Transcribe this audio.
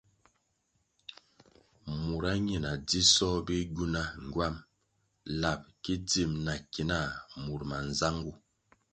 Mura ñina dzisoh bigywuna ngywam lab ki dzim na ki nah mur manzangu.